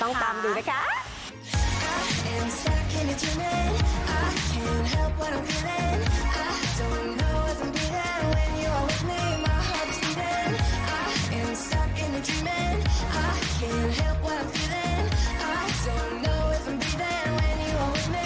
ต้องตามดูนะคะ